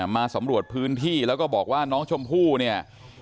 มาสำรวจพื้นที่แล้วก็บอกว่าน้องชมพู่เนี่ย